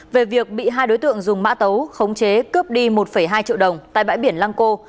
về việc bị hai đối tượng dùng mã tấu khống chế cướp đi một hai triệu đồng tại bãi biển lăng cô